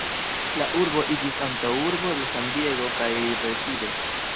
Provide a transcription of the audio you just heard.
La urbo iĝis antaŭurbo de San-Diego kaj Riverside.